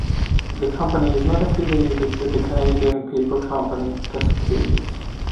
The company is not affiliated with the Canadian paper company Cascades.